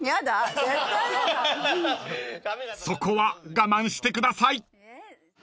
［そこは我慢してください］